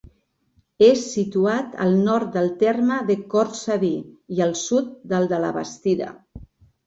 És situat al nord del terme de Cortsaví, i al sud del de la Bastida.